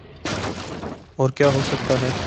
اورکیا ہوسکتاہے؟